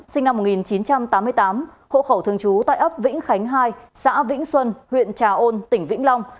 sinh năm một nghìn chín trăm tám mươi tám hộ khẩu thường trú tại ấp vĩnh khánh hai xã vĩnh xuân huyện trà ôn tỉnh vĩnh long